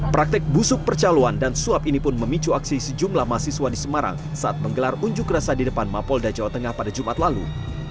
praktek busuk percaluan dan suap ini pun memicu aksi sejumlah mahasiswa di semarang saat menggelar unjuk rasa di depan mapolda jawa tengah pada jumat lalu